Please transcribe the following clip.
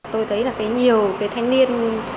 tôi thấy là cái nhiều cái thanh niên